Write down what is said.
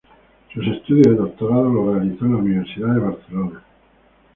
Sus estudios de doctorado los realizó en la Universidad de Barcelona.